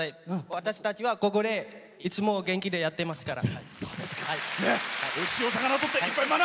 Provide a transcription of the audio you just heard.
私たちは、ここでいつも元気でやってますから。